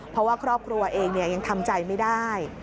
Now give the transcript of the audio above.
เพราะว่าครอบครัวเองยังทำใจไม่ได้